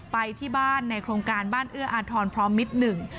ไปที่บ้านในโครงการบ้านเอื้ออาทรพร้อมมิตรหนึ่ง